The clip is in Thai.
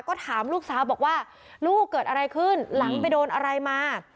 ก็ถามลูกสาวบอกว่าลูกเกิดอะไรขึ้นหลังไปโดนอะไรมา